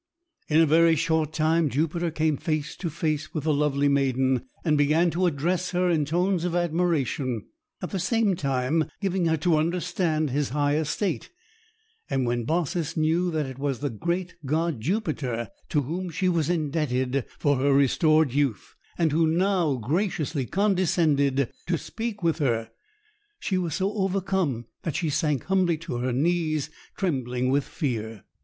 In a very short time, Jupiter came face to face with the lovely maiden, and began to address her in tones of admiration, at the same time giving her to understand his high estate; and when Baucis knew that it was the great god Jupiter to whom she was indebted for her restored youth, and who now graciously condescended to speak with her, she was so overcome that she sank humbly to her knees, trembling with fear.